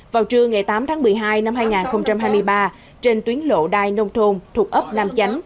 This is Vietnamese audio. vào trưa ngày tám tháng một mươi hai năm hai nghìn hai mươi ba trên tuyến lộ đai nông thôn thuộc ấp nam chánh